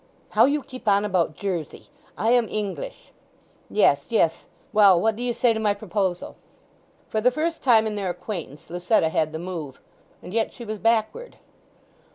"How you keep on about Jersey! I am English!" "Yes, yes. Well, what do you say to my proposal?" For the first time in their acquaintance Lucetta had the move; and yet she was backward.